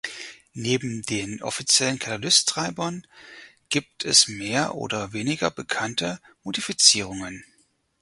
Neben den offiziellen Catalyst-Treibern gibt es mehr oder weniger bekannte Modifizierungen.